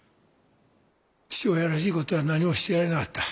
父親らしい事は何もしてやれなかった。